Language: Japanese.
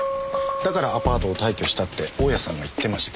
だからアパートを退去したって大家さんが言ってました。